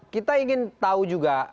kita ingin tahu juga